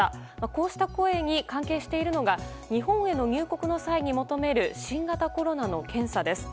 こうした声に関係しているのが日本への入国の際に求める新型コロナの検査です。